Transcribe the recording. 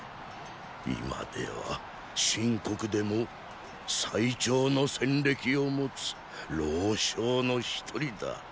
今では秦国でも最長の戦歴を持つ老将の一人だ。